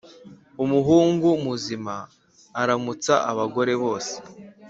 Umuhungu muzima aramutsa abagore bose